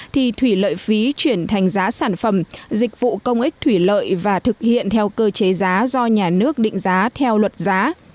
thì thủy lợi phí chuyển thành giá sản phẩm dịch vụ công ích thủy lợi và thực hiện theo cơ chế giá do nhà nước định giá theo luật giá